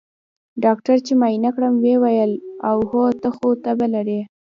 ډاکتر چې معاينه کړم ويې ويل اوهو ته خو تبه لرې.